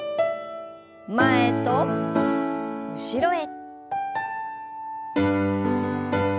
前と後ろへ。